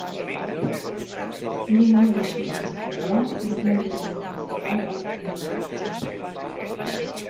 Llengua de Signe sirià és la llengua principal de la comunitat sorda.